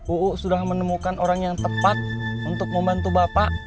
uu sudah menemukan orang yang tepat untuk membantu bapak